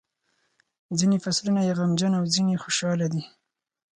ځینې فصلونه یې غمجن او ځینې خوشاله دي.